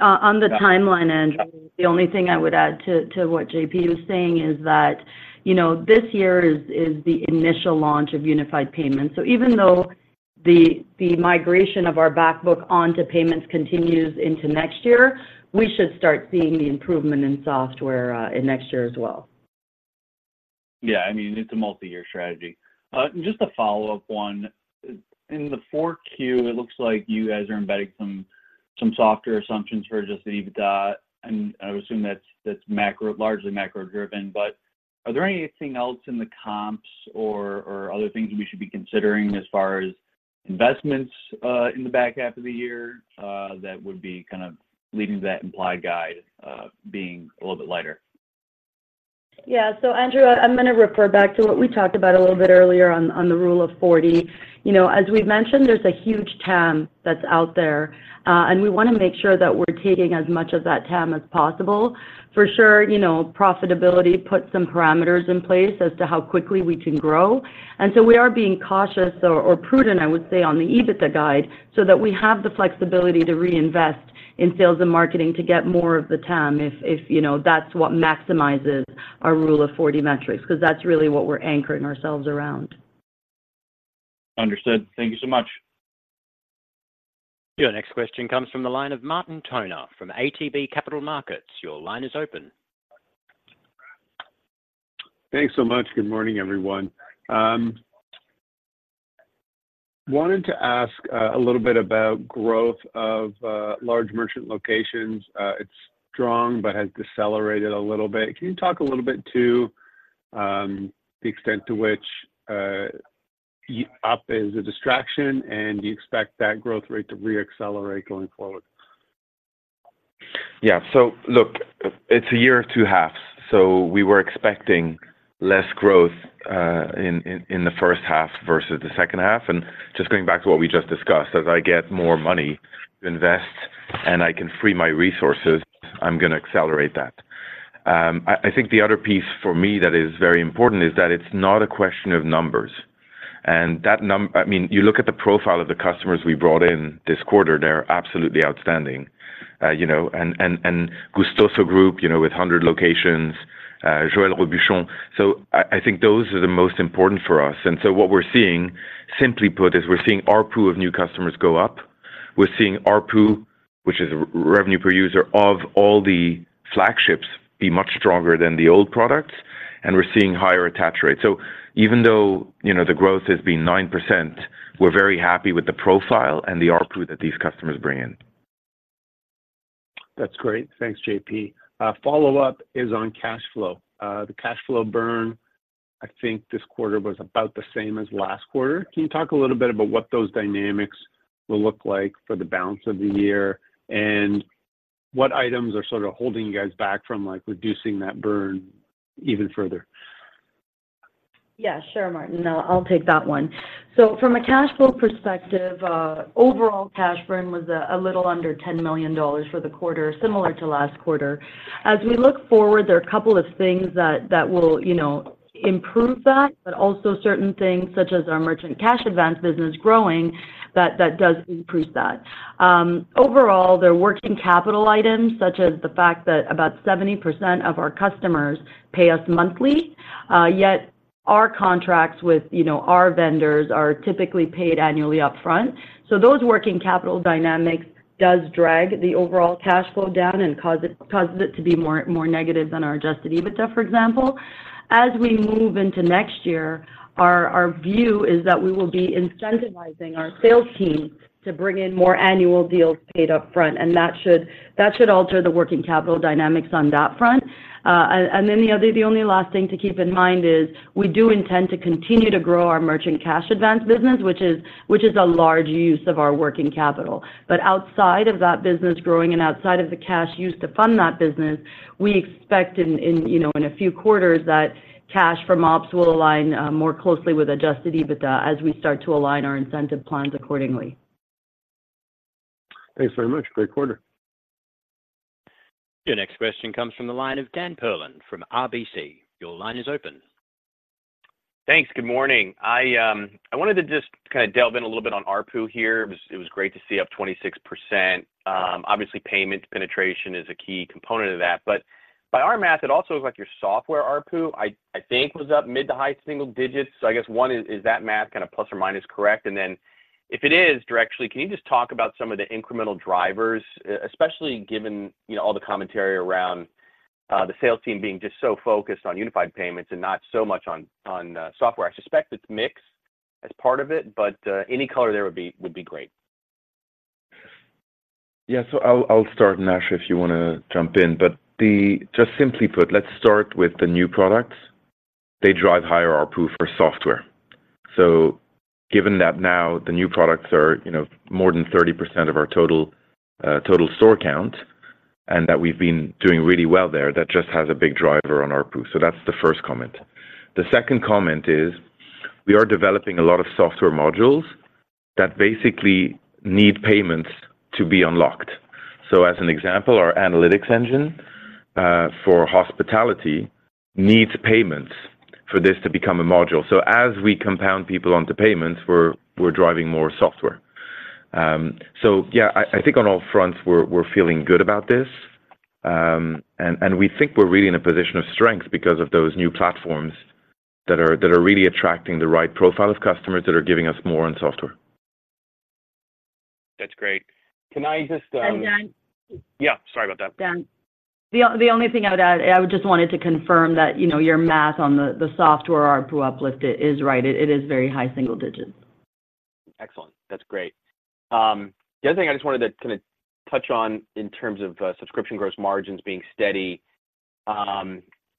S4: On the timeline, Andrew, the only thing I would add to what JP was saying is that, you know, this year is the initial launch of Unified Payments. So even though the migration of our back book onto payments continues into next year, we should start seeing the improvement in software in next year as well.
S8: Yeah, I mean, it's a multi-year strategy. Just a follow-up one. In Q4, it looks like you guys are embedding some softer assumptions for just the EBITDA, and I would assume that's largely macro-driven. But are there anything else in the comps or other things we should be considering as far as investments in the back half of the year that would be kind of leading to that implied guide being a little bit lighter?
S4: Yeah. So Andrew, I'm going to refer back to what we talked about a little bit earlier on, on the Rule of 40. You know, as we've mentioned, there's a huge TAM that's out there, and we want to make sure that we're taking as much of that TAM as possible. For sure, you know, profitability puts some parameters in place as to how quickly we can grow. And so we are being cautious or prudent, I would say, on the EBITDA guide, so that we have the flexibility to reinvest in sales and marketing to get more of the TAM if, you know, that's what maximizes our Rule of 40 metrics, because that's really what we're anchoring ourselves around.
S8: Understood. Thank you so much.
S1: Your next question comes from the line of Martin Toner from ATB Capital Markets. Your line is open.
S9: Thanks so much. Good morning, everyone. Wanted to ask a little bit about growth of large merchant locations. It's strong but has decelerated a little bit. Can you talk a little bit to the extent to which your UP is a distraction, and do you expect that growth rate to reaccelerate going forward?
S3: Yeah. So look, it's a year of two halves, so we were expecting less growth in the first half versus the second half. And just going back to what we just discussed, as I get more money to invest and I can free my resources, I'm going to accelerate that. I think the other piece for me that is very important is that it's not a question of numbers. And that num-- I mean, you look at the profile of the customers we brought in this quarter, they're absolutely outstanding. You know, and, and, and Gustoso Group, you know, with 100 locations, Joël Robuchon. So I think those are the most important for us. And so what we're seeing, simply put, is we're seeing ARPU of new customers go up. We're seeing ARPU, which is revenue per user, of all the flagships be much stronger than the old products, and we're seeing higher attach rates. So even though, you know, the growth has been 9%, we're very happy with the profile and the ARPU that these customers bring in.
S9: That's great. Thanks JP. Follow-up is on cash flow. The cash flow burn, I think this quarter, was about the same as last quarter. Can you talk a little bit about what those dynamics will look like for the balance of the year, and what items are sort of holding you guys back from, like, reducing that burn even further?
S4: Yeah, sure, Martin. I'll, I'll take that one. So from a cash flow perspective, overall cash burn was a little under $10 million for the quarter, similar to last quarter. As we look forward, there are a couple of things that will, you know, improve that, but also certain things, such as our merchant cash advance business growing, that does improve that. Overall, there are working capital items, such as the fact that about 70% of our customers pay us monthly. Our contracts with, you know, our vendors are typically paid annually upfront. So those working capital dynamics does drag the overall cash flow down and cause it causes it to be more, more negative than our adjusted EBITDA, for example. As we move into next year, our view is that we will be incentivizing our sales team to bring in more annual deals paid upfront, and that should alter the working capital dynamics on that front. And then the only last thing to keep in mind is, we do intend to continue to grow our merchant cash advance business, which is a large use of our working capital. But outside of that business growing and outside of the cash used to fund that business, we expect, you know, in a few quarters, that cash from ops will align more closely with Adjusted EBITDA as we start to align our incentive plans accordingly.
S10: Thanks very much. Great quarter.
S1: Your next question comes from the line of Dan Perlin from RBC. Your line is open.
S11: Thanks. Good morning. I wanted to just kind of delve in a little bit on ARPU here. It was great to see up 26%. Obviously, payment penetration is a key component of that, but by our math, it also looks like your software ARPU, I think, was up mid- to high-single digits. So I guess, one is, is that math kind of plus or minus correct? And then, if it is directionally, can you just talk about some of the incremental drivers, especially given, you know, all the commentary around the sales team being just so focused on Unified Payments and not so much on software? I suspect it's mix as part of it, but any color there would be great.
S3: Yeah. So I'll start, Dan, if you wanna jump in. But just simply put, let's start with the new products. They drive higher ARPU for software. So given that now the new products are, you know, more than 30% of our total total store count, and that we've been doing really well there, that just has a big driver on ARPU. So that's the first comment. The second comment is, we are developing a lot of software modules that basically need payments to be unlocked. So as an example, our analytics engine for hospitality needs payments for this to become a module. So as we compound people onto payments, we're driving more software. So yeah, I think on all fronts, we're feeling good about this. We think we're really in a position of strength because of those new platforms that are really attracting the right profile of customers that are giving us more on software.
S11: That's great. Can I just,
S4: And Dan?
S11: Yeah, sorry about that.
S4: Dan, the only thing I would add, I would just wanted to confirm that, you know, your math on the software ARPU uplift is right. It is very high single digits.
S11: Excellent. That's great. The other thing I just wanted to kinda touch on in terms of subscription gross margins being steady,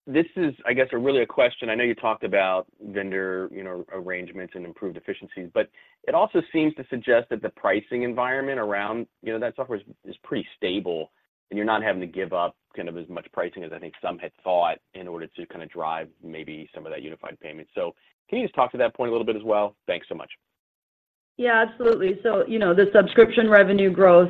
S11: this is, I guess, really a question. I know you talked about vendor, you know, arrangements and improved efficiencies, but it also seems to suggest that the pricing environment around, you know, that software is pretty stable, and you're not having to give up kind of as much pricing as I think some had thought, in order to kinda drive maybe some of that unified payment. So can you just talk to that point a little bit as well? Thanks so much.
S4: Yeah, absolutely. So, you know, the subscription revenue growth,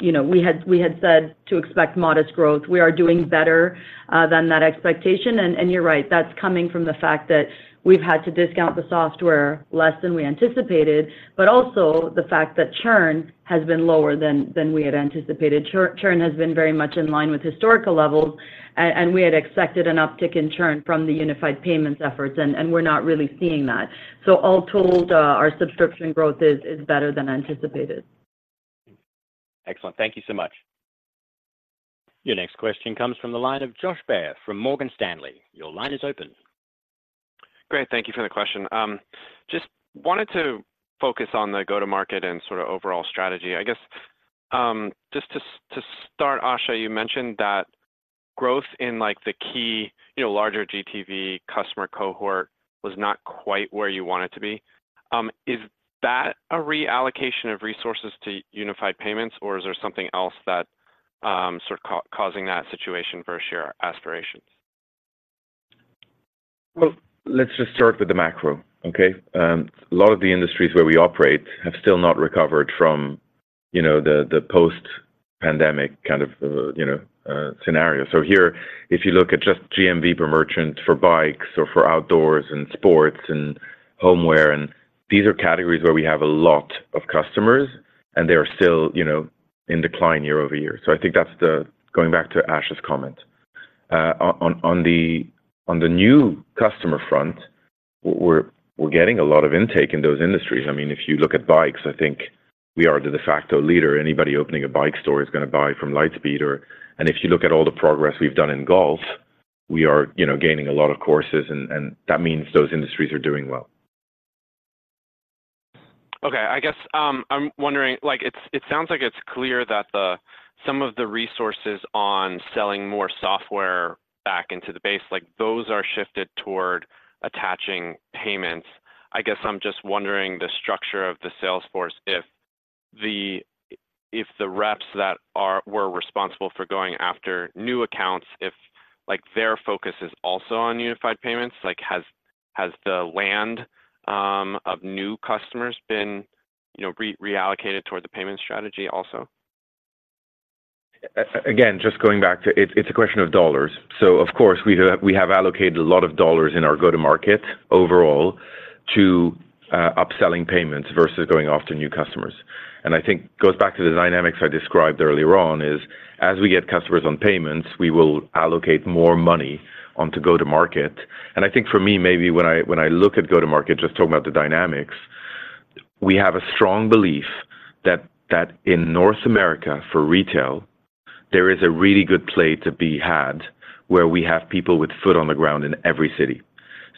S4: you know, we had, we had said to expect modest growth. We are doing better than that expectation, and you're right, that's coming from the fact that we've had to discount the software less than we anticipated, but also the fact that churn has been lower than we had anticipated. Churn has been very much in line with historical levels, and we had expected an uptick in Churn from the Unified Payments efforts, and we're not really seeing that. So all told, our subscription growth is better than anticipated.
S11: Excellent. Thank you so much.
S1: Your next question comes from the line of Josh Baer from Morgan Stanley. Your line is open.
S12: Great. Thank you for the question. Just wanted to focus on the go-to-market and sort of overall strategy. I guess, just to start, Asha, you mentioned that growth in, like, the key, you know, larger GTV customer cohort was not quite where you want it to be. Is that a reallocation of resources to Unified Payments, or is there something else that sort of causing that situation for share aspirations?
S3: Well, let's just start with the macro, okay? A lot of the industries where we operate have still not recovered from, you know, the post-pandemic kind of scenario. So here, if you look at just GMV per merchant for bikes or for outdoors and sports and homeware, and these are categories where we have a lot of customers, and they are still, you know, in decline year-over-year. So I think that's the... Going back to Asha's comment. On the new customer front, we're getting a lot of intake in those industries. I mean, if you look at bikes, I think we are the de facto leader. Anybody opening a bike store is gonna buy from Lightspeed, or. If you look at all the progress we've done in golf, we are, you know, gaining a lot of courses, and that means those industries are doing well.
S12: Okay. I guess, I'm wondering, like, it sounds like it's clear that the, some of the resources on selling more software back into the base, like those are shifted toward attaching payments. I guess I'm just wondering, the structure of the sales force, if the, if the reps that were responsible for going after new accounts, if, like, their focus is also on Unified Payments. Like, has the land, of new customers been, you know, reallocated toward the payment strategy also?
S3: Again, just going back to it, it's a question of dollars. So of course, we have allocated a lot of dollars in our go-to-market overall... to upselling payments versus going after new customers. And I think goes back to the dynamics I described earlier, is as we get customers on payments, we will allocate more money on to go-to-market. And I think for me, maybe when I look at go-to-market, just talking about the dynamics, we have a strong belief that in North America for retail, there is a really good play to be had where we have people with foot on the ground in every city.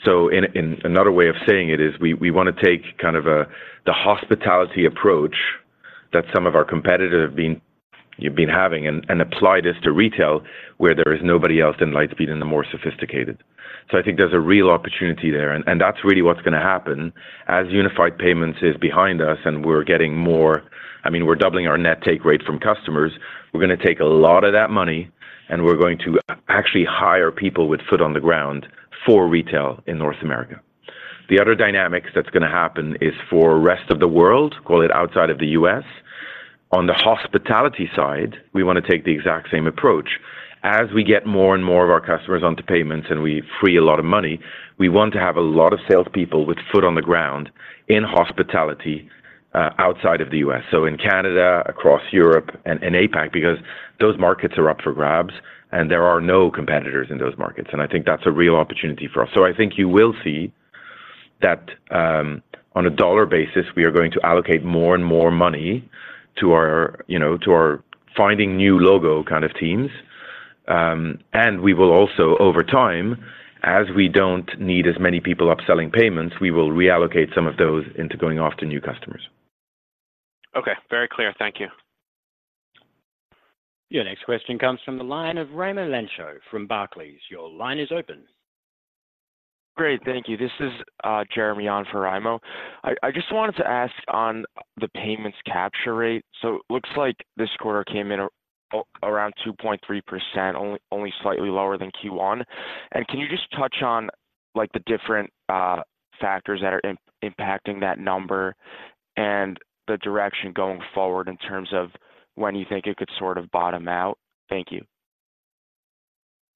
S3: So in another way of saying it is we wanna take kind of a the hospitality approach that some of our competitors have been having, and apply this to retail where there is nobody else than Lightspeed in the more sophisticated. So I think there's a real opportunity there, and that's really what's gonna happen as Unified Payments is behind us and we're getting more—I mean, we're doubling our net take rate from customers. We're gonna take a lot of that money, and we're going to actually hire people with foot on the ground for retail in North America. The other dynamics that's gonna happen is for rest of the world, call it outside of the U.S., on the hospitality side, we wanna take the exact same approach. As we get more and more of our customers onto payments and we free a lot of money, we want to have a lot of salespeople with foot on the ground in hospitality outside of the U.S. So in Canada, across Europe and APAC, because those markets are up for grabs, and there are no competitors in those markets, and I think that's a real opportunity for us. So I think you will see that, on a dollar basis, we are going to allocate more and more money to our, you know, to our finding new logo kind of teams. And we will also, over time, as we don't need as many people upselling payments, we will reallocate some of those into going after new customers.
S7: Okay, very clear. Thank you.
S1: Your next question comes from the line of Raimo Lenschow from Barclays. Your line is open.
S13: Great, thank you. This is Jeremy on for Raimo. I just wanted to ask on the payments capture rate. So looks like this quarter came in around 2.3%, only slightly lower than Q1. And can you just touch on, like, the different factors that are impacting that number and the direction going forward in terms of when you think it could sort of bottom out? Thank you.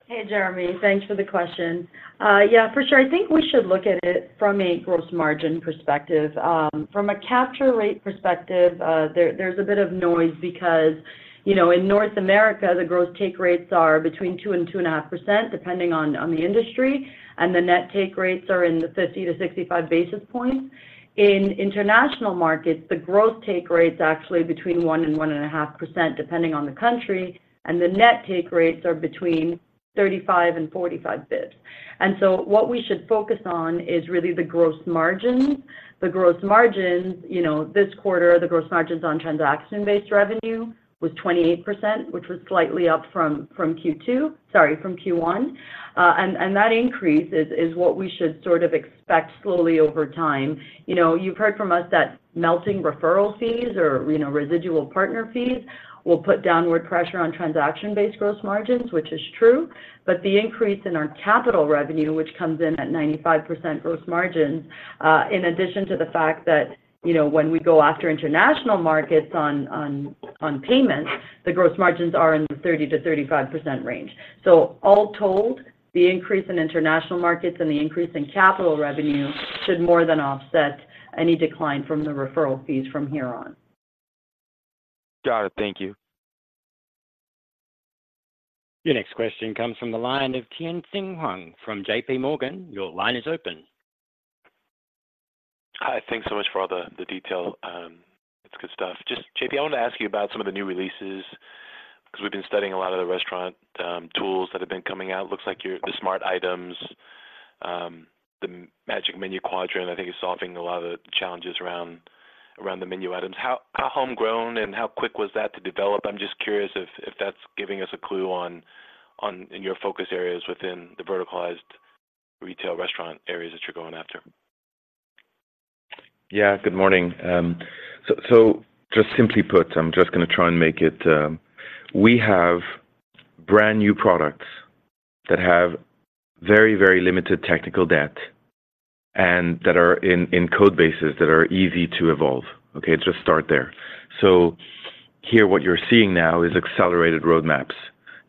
S4: Hey, Jeremy. Thanks for the question. Yeah, for sure. I think we should look at it from a gross margin perspective. From a capture rate perspective, there's a bit of noise because, you know, in North America, the gross take rates are between 2% and 2.5%, depending on the industry, and the net take rates are in the 50-65 basis points. In international markets, the gross take rates are actually between 1% and 1.5%, depending on the country, and the net take rates are between 35 and 45 basis points. So what we should focus on is really the gross margins. The gross margins, you know, this quarter, the gross margins on transaction-based revenue was 28%, which was slightly up from Q1. And that increase is what we should sort of expect slowly over time. You know, you've heard from us that merchant referral fees or, you know, residual partner fees will put downward pressure on transaction-based gross margins, which is true, but the increase in our capital revenue, which comes in at 95% gross margin, in addition to the fact that, you know, when we go after international markets on payments, the gross margins are in the 30%-35% range. So all told, the increase in international markets and the increase in capital revenue should more than offset any decline from the referral fees from here on.
S13: Got it. Thank you.
S1: Your next question comes from the line of Tien-Tsin Huang from J.P. Morgan. Your line is open.
S14: Hi, thanks so much for all the detail. It's good stuff. Just JP, I want to ask you about some of the new releases, 'cause we've been studying a lot of the restaurant tools that have been coming out. Looks like your the Smart Items, the Magic Menu Quadrant, I think, is solving a lot of the challenges around the menu items. How homegrown and how quick was that to develop? I'm just curious if that's giving us a clue on in your focus areas within the verticalized retail restaurant areas that you're going after.
S3: Yeah, good morning. So, just simply put, I'm just gonna try and make it. We have brand-new products that have very, very limited technical debt and that are in code bases that are easy to evolve. Okay, just start there. So here, what you're seeing now is accelerated roadmaps.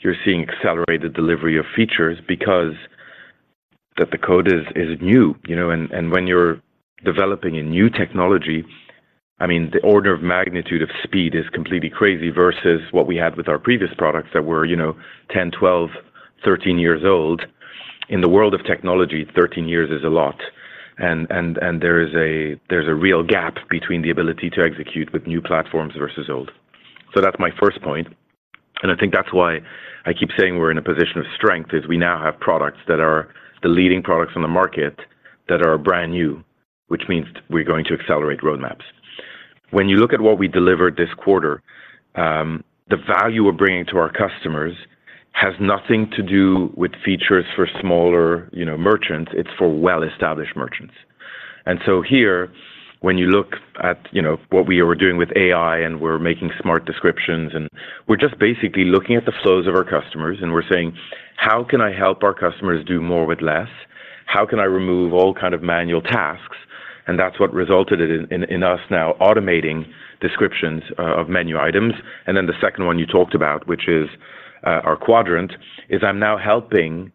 S3: You're seeing accelerated delivery of features because the code is new, you know, and when you're developing a new technology, I mean, the order of magnitude of speed is completely crazy versus what we had with our previous products that were, you know, 10, 12, 13 years old. In the world of technology, 13 years is a lot, and there is a real gap between the ability to execute with new platforms versus old. So that's my first point, and I think that's why I keep saying we're in a position of strength, is we now have products that are the leading products on the market that are brand new, which means we're going to accelerate roadmaps. When you look at what we delivered this quarter, the value we're bringing to our customers has nothing to do with features for smaller, you know, merchants. It's for well-established merchants. And so here, when you look at, you know, what we are doing with AI, and we're making smart descriptions, and we're just basically looking at the flows of our customers, and we're saying: How can I help our customers do more with less? How can I remove all kind of manual tasks? And that's what resulted in us now automating descriptions of menu items. And then the second one you talked about, which is our quadrant, is now helping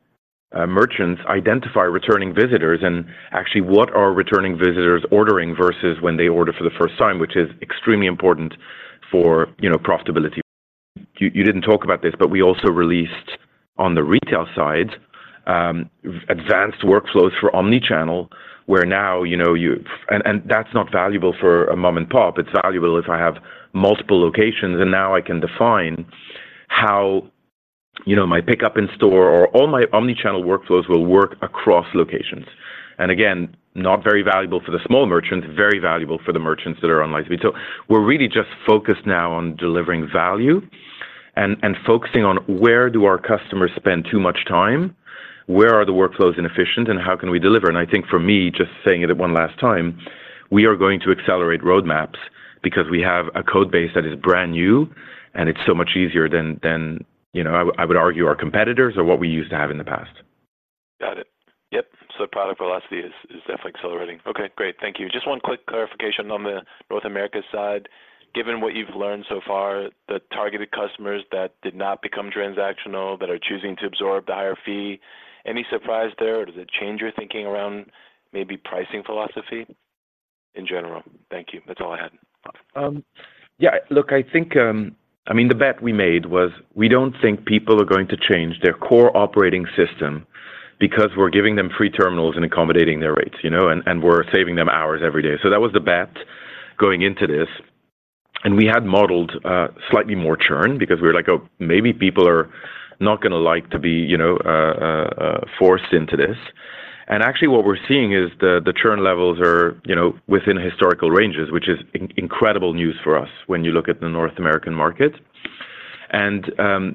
S3: merchants identify returning visitors and actually what are returning visitors ordering versus when they order for the first time, which is extremely important for, you know, profitability. You didn't talk about this, but we also released on the retail side advanced workflows for omni-channel, where now, you know, you and that's not valuable for a mom-and-pop. It's valuable if I have multiple locations, and now I can define how, you know, my pickup in store or all my omni-channel workflows will work across locations. And again, not very valuable for the small merchants, very valuable for the merchants that are on Lightspeed. So we're really just focused now on delivering value and focusing on where do our customers spend too much time? Where are the workflows inefficient, and how can we deliver? I think for me, just saying it one last time, we are going to accelerate roadmaps because we have a code base that is brand new, and it's so much easier than you know, I would argue, our competitors or what we used to have in the past.
S14: Got it. Yep. So product velocity is definitely accelerating. Okay, great. Thank you. Just one quick clarification on the North America side. Given what you've learned so far, the targeted customers that did not become transactional, that are choosing to absorb the higher fee, any surprise there, or does it change your thinking around maybe pricing philosophy in general? Thank you. That's all I had.
S3: Yeah, look, I think... I mean, the bet we made was we don't think people are going to change their core operating system because we're giving them free terminals and accommodating their rates, you know, and we're saving them hours every day. So that was the bet going into this, and we had modeled slightly more churn because we were like, "Oh, maybe people are not gonna like to be, you know, forced into this." And actually, what we're seeing is the churn levels are, you know, within historical ranges, which is incredible news for us when you look at the North American market. And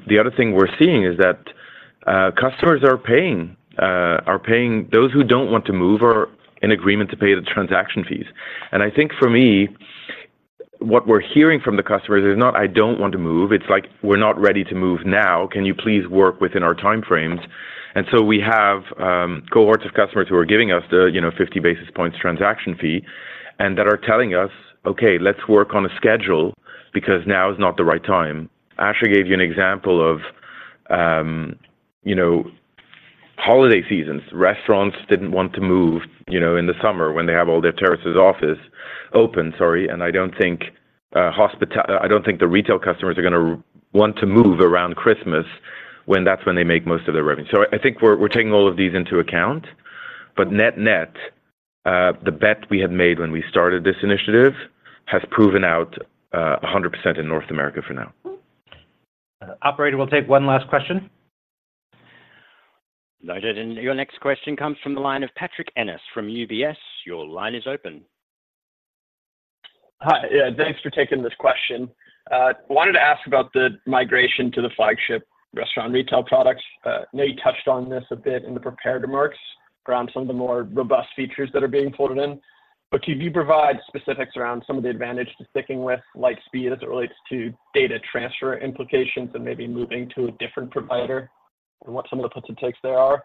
S3: the other thing we're seeing is that customers are paying those who don't want to move are in agreement to pay the transaction fees. And I think for me, what we're hearing from the customers is not, "I don't want to move," it's like, "We're not ready to move now. Can you please work within our time frames?" And so we have cohorts of customers who are giving us the, you know, 50 basis points transaction fee and that are telling us, "Okay, let's work on a schedule because now is not the right time." Asha gave you an example of, you know, holiday seasons. Restaurants didn't want to move, you know, in the summer when they have all their terraces office, open, sorry, and I don't think the retail customers are gonna want to move around Christmas, when that's when they make most of their revenue. So I think we're taking all of these into account, but net-net, the bet we had made when we started this initiative has proven out 100% in North America for now.
S2: Operator, we'll take one last question.
S1: Noted, and your next question comes from the line of Patrick Ennis from UBS. Your line is open.
S15: Hi, yeah, thanks for taking this question. Wanted to ask about the migration to the flagship restaurant retail products. I know you touched on this a bit in the prepared remarks around some of the more robust features that are being folded in. But could you provide specifics around some of the advantage to sticking with Lightspeed as it relates to data transfer implications and maybe moving to a different provider, and what some of the puts and takes there are?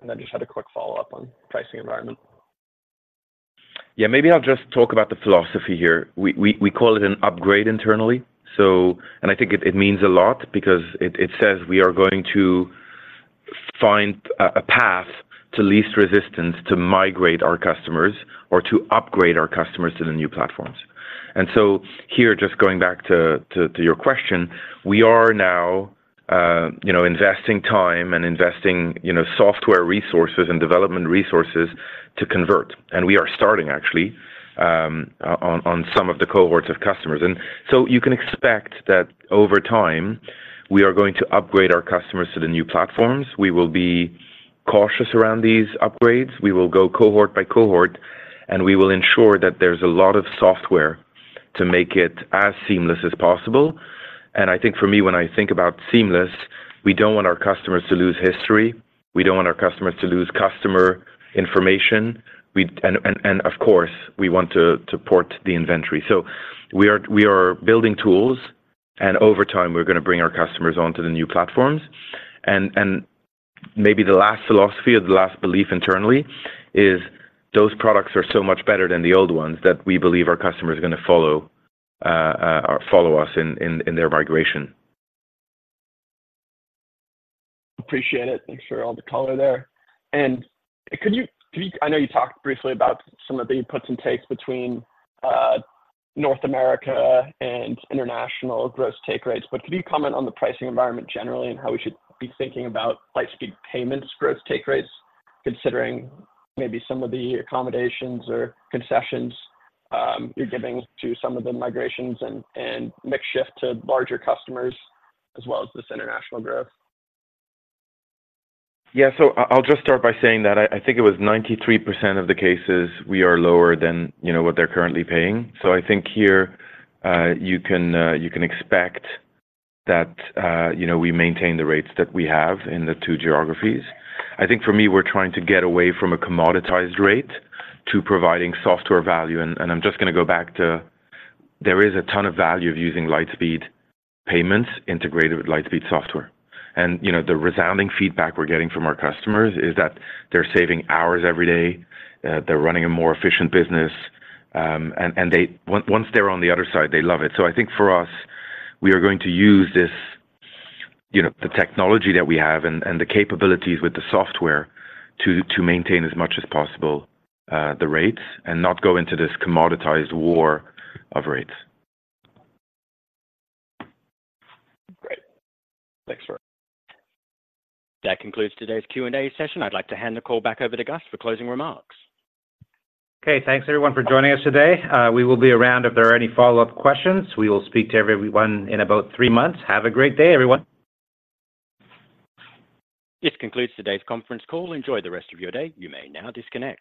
S15: And then just had a quick follow-up on pricing environment.
S3: Yeah, maybe I'll just talk about the philosophy here. We call it an upgrade internally, so, and I think it means a lot because it says we are going to find a path to least resistance to migrate our customers or to upgrade our customers to the new platforms. And so here, just going back to your question, we are now, you know, investing time and investing, you know, software resources and development resources to convert. And we are starting actually on some of the cohorts of customers. And so you can expect that over time, we are going to upgrade our customers to the new platforms. We will be cautious around these upgrades. We will go cohort by cohort, and we will ensure that there's a lot of software to make it as seamless as possible. And I think for me, when I think about seamless, we don't want our customers to lose history, we don't want our customers to lose customer information, and of course, we want to port the inventory. So we are building tools, and over time, we're gonna bring our customers onto the new platforms. And maybe the last philosophy or the last belief internally is those products are so much better than the old ones, that we believe our customers are gonna follow us in their migration.
S15: Appreciate it. Thanks for all the color there. And could you, could you—I know you talked briefly about some of the puts and takes between North America and international gross take rates, but could you comment on the pricing environment generally and how we should be thinking about Lightspeed Payments gross take rates, considering maybe some of the accommodations or concessions you're giving to some of the migrations and mix shift to larger customers, as well as this international growth?
S3: Yeah. I'll just start by saying that I think it was 93% of the cases we are lower than, you know, what they're currently paying. So I think here, you can expect that, you know, we maintain the rates that we have in the two geographies. I think for me, we're trying to get away from a commoditized rate to providing software value, and I'm just gonna go back to... There is a ton of value of using Lightspeed Payments integrated with Lightspeed software. And, you know, the resounding feedback we're getting from our customers is that they're saving hours every day, they're running a more efficient business, and they once they're on the other side, they love it. I think for us, we are going to use this, you know, the technology that we have and the capabilities with the software to maintain as much as possible, the rates and not go into this commoditized war of rates.
S15: Great. Thanks for it.
S1: That concludes today's Q&A session. I'd like to hand the call back over to Gus for closing remarks.
S2: Okay. Thanks, everyone, for joining us today. We will be around if there are any follow-up questions. We will speak to everyone in about three months. Have a great day, everyone.
S1: This concludes today's conference call. Enjoy the rest of your day. You may now disconnect.